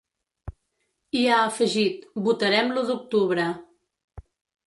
I ha afegit: Votarem l’u octubre.